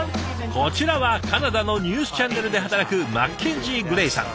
こちらはカナダのニュースチャンネルで働くマッケンジー・グレイさん。